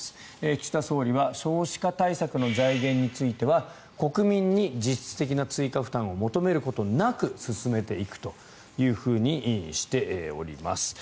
岸田総理は少子化対策の財源については国民に実質的な追加負担を求めることなく進めていくというふうにしております。